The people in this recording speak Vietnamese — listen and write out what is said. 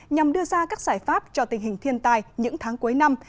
nhằm đưa ra các giải pháp cho tình hình thiên tài những tháng cuối năm